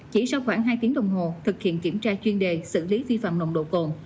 chỉ sau khoảng hai tiếng đồng hồ thực hiện kiểm tra chuyên đề xử lý vi phạm nồng độ cồn